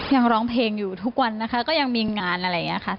ร้องเพลงอยู่ทุกวันนะคะก็ยังมีงานอะไรอย่างนี้ค่ะ